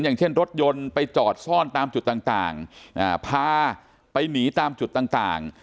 อย่างเช่นรถยนต์ไปจอดซ่อนตามจุดต่างพาไปหนีตามจุดต่าง